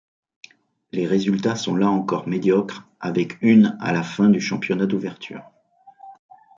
Les résultats sont là encore médiocres avec une à la fin du championnat d'Ouverture.